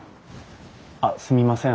あっすみません。